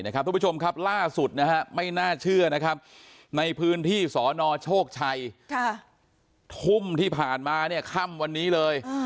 ทุกผู้ชมครับล่าสุดไม่น่าเชื่อนะครับในพื้นที่สนโชคชัยทุ่มที่ผ่านมาค่ำวันนี้เลย